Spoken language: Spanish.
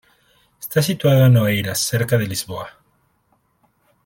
Está situado en Oeiras, cerca de Lisboa.